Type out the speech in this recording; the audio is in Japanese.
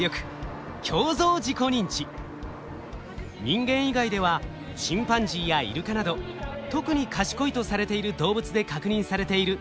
人間以外ではチンパンジーやイルカなど特に賢いとされている動物で確認されている高度な能力です。